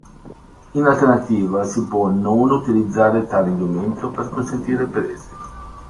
In alternativa si può non utilizzare tale indumento per consentire prese.